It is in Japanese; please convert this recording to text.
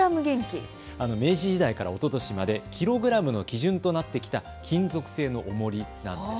明治時代からおととしまでキログラムの基準となってきた金属製のおもりなんです。